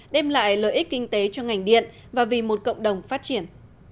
đem lại lợi ích kinh tế cho ngành điện và vì một cộng đồng phát triển